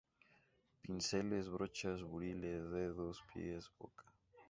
Pinceles, brochas, buriles, dedos, pies, boca.